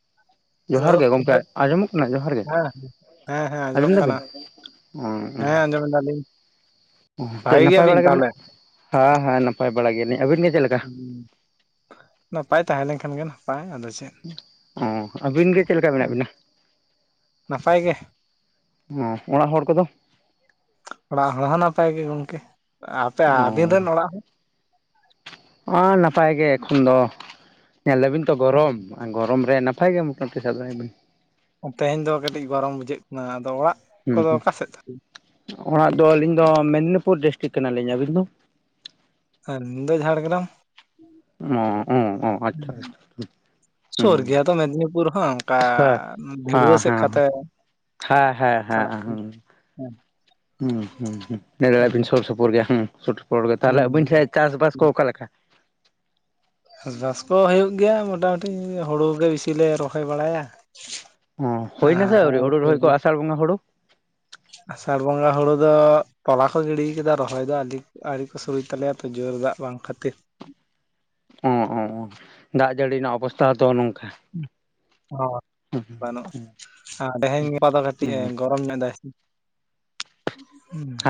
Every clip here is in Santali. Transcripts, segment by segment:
[inaudible] ᱡᱚᱦᱟᱨ ᱦᱮᱞᱳ ᱜᱮ ᱜᱚᱢᱠᱮ ᱟᱸᱡᱚᱢᱚᱜ ᱠᱟᱱᱟ ᱡᱚᱦᱟᱨ ᱜᱮ ᱦᱮᱸ ᱦᱮᱸ ᱦᱮᱸ ᱟᱸᱡᱚᱢᱚᱜ ᱟᱸᱡᱚᱢ ᱠᱟᱱᱟ ᱫᱟᱵᱤᱱ? ᱦᱮᱸ ᱟᱸᱡᱚᱢ ᱮ ᱫᱟᱞᱤᱧ ᱪᱮᱫ ᱵᱷᱟᱜᱤ ᱱᱟᱯᱟᱭ ᱜᱮᱭᱟᱵᱤᱱ ᱵᱟᱲᱟ ᱜᱮ ᱛᱟᱦᱚᱞᱮ? ᱢᱮᱱᱟᱜ ᱦᱮᱸ ᱦᱮᱸ ᱱᱟᱯᱟᱭ ᱵᱟᱲᱟ ᱜᱮᱭᱟᱞᱤᱧ ᱟᱹᱵᱤᱱ ᱜᱮ ᱪᱮᱫ ᱞᱮᱠᱟ ᱱᱟᱯᱟᱭ ᱛᱟᱦᱮᱸ ᱞᱮᱱᱠᱷᱟᱱ ᱜᱮ ᱱᱟᱯᱟᱭ ᱟᱫᱚ ᱪᱮᱫ ᱚ ᱟᱹᱵᱤᱱ ᱜᱮ ᱪᱮᱫ ᱞᱮᱠᱟ ᱢᱮᱱᱟᱜ ᱵᱤᱱᱟ ᱱᱟᱯᱟᱭ ᱜᱮ ᱦᱚ ᱚᱲᱟᱜ ᱦᱚᱲ ᱠᱚᱫᱚ ᱚᱲᱟᱜ ᱦᱚᱲ ᱦᱚᱸ ᱱᱟᱯᱟᱭ ᱜᱮ ᱜᱚᱝᱠᱮ ᱟᱯᱮ ᱟᱵᱤᱱ ᱨᱮᱱ ᱚᱲᱟᱜ ᱦᱚᱲ ᱟ ᱱᱟᱯᱟᱭ ᱜᱮ ᱮᱠᱷᱚᱱ ᱫᱚ ᱧᱮᱞ ᱫᱟᱵᱤᱱ ᱛᱚ ᱜᱚᱨᱚᱢ ᱟ ᱜᱚᱨᱚᱢ ᱨᱮ ᱱᱟᱯᱟᱭ ᱜᱮ ᱢᱚᱴᱟᱢᱩᱴᱤ ᱥᱟᱵ ᱫᱟᱲᱮᱭᱟᱜ ᱟ ᱵᱤᱱ ᱛᱮᱦᱮᱧ ᱫᱚ ᱠᱟᱹᱴᱤᱡ ᱜᱚᱨᱚᱢ ᱵᱩᱡᱷᱟᱹᱜ ᱠᱟᱱᱟ ᱟᱫᱚ ᱚᱣᱟᱜ ᱦᱚ ᱚᱲᱟᱜ ᱫᱚ ᱟᱹᱞᱤᱧ ᱫᱚ ᱢᱮᱫᱽᱱᱤᱯᱩᱨ ᱰᱤᱥᱴᱤᱠ ᱠᱟᱱᱟᱞᱤᱧ ᱟᱹᱵᱤᱱ ᱫᱚ? ᱟ. ᱞᱤᱧ ᱫᱚ ᱡᱷᱟᱲᱜᱨᱟᱢ ᱚ ᱚ ᱚ ᱟᱪᱪᱷᱟ ᱟᱪᱪᱷᱟ ᱦᱩᱸ ᱥᱩᱨ ᱜᱮᱭᱟ ᱛᱚ ᱢᱮᱫᱽᱱᱤᱯᱩᱨ ᱦᱚᱸ ᱚᱱᱠᱟ ᱦᱮᱸ ᱫᱷᱤᱲᱣᱟᱹ ᱥᱮᱫ ᱦᱮᱸ ᱠᱟᱛᱮ ᱦᱮᱸ ᱦᱮᱸ ᱦᱮᱸ ᱪᱟᱞᱟᱜ ᱦᱚ ᱦᱮᱸ ᱦᱩᱸ ᱦᱩᱸ ᱦᱩᱸ ᱞᱟᱹᱭ ᱫᱟᱲᱮᱭᱟᱜ ᱵᱤᱱ ᱦᱩᱸ ᱥᱩᱨ ᱥᱩᱯᱩᱨ ᱜᱮᱭᱟ ᱦᱮᱸ ᱥᱩᱨ ᱥᱩᱯᱩᱨ ᱜᱮ ᱛᱟᱦᱚᱞᱮ ᱟᱵᱤᱱ ᱦᱩᱸ ᱥᱮᱫ ᱪᱟᱥᱵᱟᱥ ᱠᱚ ᱚᱠᱟᱞᱮᱠᱟ ᱪᱟᱥᱵᱟᱥ ᱠᱚ ᱦᱩᱭᱩᱜ ᱜᱮᱭᱟ ᱢᱳᱚᱴᱟᱢᱩᱴᱤ ᱦᱳᱲᱳ ᱜᱮ ᱵᱮᱥᱤ ᱞᱮ ᱨᱚᱦᱚᱭ ᱵᱟᱲᱟᱭᱟ ᱚ ᱦᱩᱭᱱᱟ ᱟᱨ ᱥᱮ ᱟᱣᱨᱤ ᱦᱩᱲᱩ ᱨᱚᱦᱚᱭ ᱥᱚᱵᱽᱡᱤ ᱠᱚ ᱟᱥᱟᱲ ᱵᱚᱸᱜᱟ ᱦᱳᱲᱳ ᱟᱥᱟᱲ ᱵᱚᱸᱜᱟ ᱦᱳᱲᱳ ᱫᱚ ᱛᱚᱞᱟ ᱠᱚ ᱜᱤᱰᱤ ᱠᱟᱫᱟ ᱨᱚᱦᱚᱭ ᱫᱚ ᱟᱹᱣᱨᱤ ᱟᱣᱨᱤ ᱠᱚ ᱥᱩᱨᱩᱭ ᱛᱟᱞᱮᱭᱟ ᱛᱚ ᱡᱳᱨ ᱫᱟᱜ ᱵᱟᱝ ᱠᱷᱟᱹᱛᱤᱨ ᱚ ᱫᱟᱜ ᱡᱟᱹᱲᱤ ᱨᱮᱱᱟᱜ ᱚᱵᱚᱥᱛᱟᱷᱟ ᱦᱚ ᱛᱚ ᱱᱚᱝᱠᱟ ᱚ ᱵᱟᱹᱱᱩᱜᱼᱟ ᱟᱨ ᱛᱮᱦᱮᱧ ᱜᱟᱯᱟ ᱫᱚ ᱠᱟᱹᱴᱤᱡ ᱮ ᱦᱩᱸ ᱜᱚᱨᱚᱢ ᱧᱚᱜ ᱫᱟᱭ ᱥᱮ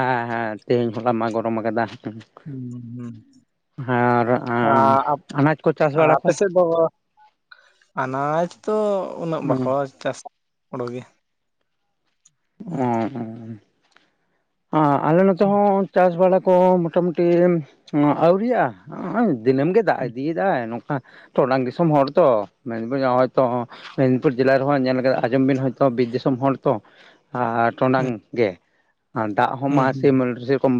ᱦᱮᱸ ᱦᱮᱸ ᱛᱮᱦᱮᱧ ᱦᱚᱞᱟ ᱢᱟ ᱜᱚᱨᱚᱢ ᱟᱠᱟᱫᱟ᱾ ᱦᱩᱸ ᱦᱩᱸ ᱟᱨ ᱚ ᱟᱯ, ᱟᱱᱟᱡ ᱠᱚ ᱪᱟᱥ ᱵᱟᱲᱟ ᱟᱯᱮ ᱠᱚ ᱥᱮᱫ ᱫᱚ ᱟᱱᱟᱡᱽ ᱫᱚ ᱩᱱᱟᱹᱜ ᱚ ᱵᱟᱠᱚ ᱪᱟᱥᱟ᱾ ᱚᱰᱚ [unintelligible] ᱜᱮ ᱚ ᱟᱞᱮ ᱱᱚᱛᱮ ᱦᱚᱸ ᱪᱟᱥ ᱵᱟᱲᱟ ᱠᱚ ᱢᱳᱴᱟ-ᱢᱩᱴᱤ ᱟᱹᱣᱨᱤᱭᱟᱜ-ᱟ ᱫᱤᱱᱟᱹᱢ ᱜᱮ ᱫᱟᱜ ᱤᱫᱤᱭ ᱫᱟᱭ ᱱᱚᱝᱠᱟ ᱴᱚᱰᱟᱝ ᱫᱤᱥᱚᱢ ᱦᱚᱲ ᱛᱚ ᱢᱮᱱ ᱵᱟᱹᱧ ᱦᱚᱜᱚᱭ ᱛᱚ ᱢᱮᱫᱽᱱᱤᱯᱩᱨ ᱡᱮᱞᱟ ᱨᱮᱦᱚᱸ ᱧᱮᱞ ᱠᱟ ᱟᱸᱡᱚᱢ ᱵᱤᱱ ᱦᱚᱭᱛᱳ ᱵᱤᱨ ᱫᱤᱥᱚᱢ ᱦᱚᱲ ᱛᱚ ᱟᱨ ᱴᱚᱰᱟᱝ ᱦᱩᱸ ᱜᱮ ᱫᱟᱜ ᱦᱚᱸ ᱢᱟ ᱦᱩᱸ ᱥᱮ ᱦᱩᱸ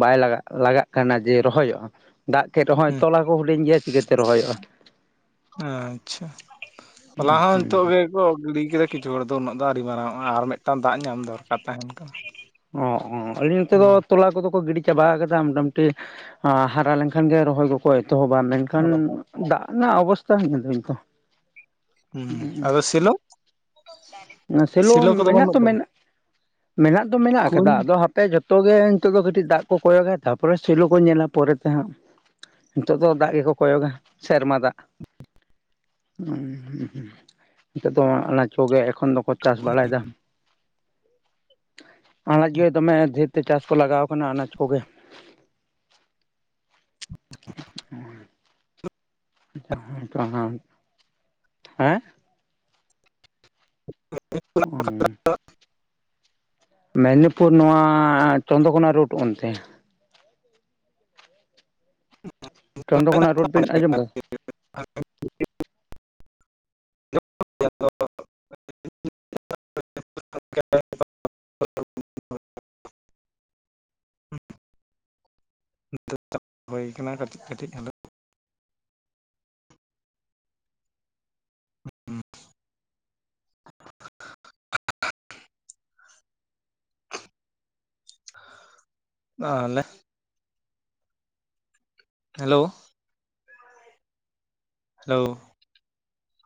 ᱵᱟᱭ ᱞᱟᱜᱟᱜ ᱞᱟᱜᱟᱜ ᱠᱟᱱᱟ ᱡᱮ ᱨᱚᱦᱚᱭᱚᱜᱼᱟ ᱫᱟᱜ ᱠᱮᱫ ᱨᱮᱦᱚᱸᱭ ᱦᱩᱸ ᱛᱚᱞᱟ ᱠᱚ ᱦᱩᱰᱤᱧ ᱜᱮᱭᱟ ᱪᱤᱠᱟᱹᱛᱮ ᱨᱚᱦᱚᱭᱚᱜᱼᱟ ᱟᱪᱪᱷᱟ ᱦᱚᱞᱟ ᱦᱚᱸ ᱱᱤᱛᱚᱜ ᱜᱮ ᱜᱚᱜ ᱜᱤᱲᱤ ᱠᱮᱫᱟ ᱠᱤᱪᱷᱩ ᱦᱚᱲ ᱫᱚ ᱩᱱᱟᱹᱜ ᱫᱚ ᱟᱹᱣᱨᱤ ᱢᱟᱨᱟᱝᱚᱜᱼᱟ ᱟᱨ ᱢᱤᱫᱴᱟᱝ ᱫᱟᱜ ᱧᱟᱢ ᱫᱚᱨᱠᱟᱨ ᱛᱟᱦᱮᱱ ᱠᱟᱱᱟ ᱚ ᱟᱹᱞᱤᱧ ᱱᱚᱛᱮ ᱫᱚ ᱛᱚᱞᱟ ᱠᱚᱫᱚ ᱠᱚ ᱜᱤᱰᱤ ᱪᱟᱵᱟ ᱠᱟᱫᱟ ᱢᱚᱴᱟᱢᱩᱴᱤ ᱦᱟᱨᱟ ᱞᱮᱱᱠᱷᱟᱱ ᱜᱮ ᱨᱚᱦᱚᱭ ᱠᱚᱠᱚ ᱮᱛᱚᱦᱚᱵᱟ ᱢᱮᱱᱠᱷᱟᱱ ᱫᱟᱜ ᱚᱱᱟ ᱚᱵᱚᱥᱛᱟ ᱦᱚ ᱧᱮᱞ ᱫᱟᱹᱵᱤᱱ ᱛᱚ ᱦᱩᱸ ᱟᱫᱚ ᱥᱤᱞᱳ ᱥᱮᱞᱳ ᱢᱮᱱᱟᱜ ᱫᱚ ᱢᱮᱱᱟᱜ, ᱢᱮᱱᱟᱜ ᱫᱚ ᱢᱮᱱᱟᱜ ᱠᱩᱧ ᱟᱠᱟᱫᱟ ᱟᱫᱚ ᱦᱟᱯᱮ ᱮ ᱡᱚᱛᱚ ᱜᱮ ᱱᱤᱛᱚᱜ ᱫᱚ ᱠᱟᱹᱴᱤᱡ ᱫᱟᱜ ᱠᱚ ᱠᱚᱭᱚᱜᱟ ᱛᱟᱯᱚᱨᱮ ᱥᱮᱞᱳ ᱠᱚ ᱧᱮᱞᱟ ᱯᱚᱨᱮ ᱛᱮ ᱦᱟᱸᱜ᱾ ᱱᱤᱛᱚᱜ ᱫᱚ ᱫᱟᱜ ᱜᱮᱠᱚ ᱠᱚᱭᱚᱜᱟ ᱥᱮᱨᱢᱟ ᱫᱟᱜ᱾ ᱦᱩᱸ ᱱᱤᱛᱚᱜ ᱫᱚ ᱚᱱᱟᱪ ᱠᱚᱜᱮ ᱮᱠᱷᱚᱱ ᱫᱚᱠᱚ ᱪᱟᱥ ᱵᱟᱲᱟᱭ ᱫᱟ᱾ ᱟᱱᱟᱡ ᱜᱮ ᱫᱚᱢᱮ ᱫᱷᱮᱹᱨ ᱛᱮ ᱪᱟᱥ ᱠᱚ ᱞᱟᱜᱟᱣ ᱠᱟᱱᱟ ᱟᱱᱟᱡᱽ ᱠᱚᱜᱮ᱾ [inaudible] ᱦᱮᱸ [inaudible] ᱢᱮᱫᱽᱱᱤᱯᱩᱨ ᱱᱚᱣᱟ ᱪᱚᱱᱫᱚᱠᱚᱱᱟ ᱨᱳᱴ ᱚᱱᱛᱮ᱾ ᱪᱚᱱ ᱫᱚ ᱠᱚᱱᱟ ᱨᱳᱰ ᱵᱮᱱ ᱟᱸᱡᱚᱢ ᱠᱟᱫᱟ? [inaudible] [inaudible] [inaudible] [inaudible] [inaudible] [inaudible] [inaudible] ᱦᱩᱭ ᱠᱟᱱᱟ ᱠᱟᱹᱴᱤᱡ ᱠᱟᱹᱴᱤᱡ᱾ [inaudible] ᱦᱩᱸ ᱛᱟᱦᱚᱞᱮ ᱦᱮᱞᱳ ᱦᱮᱞᱳ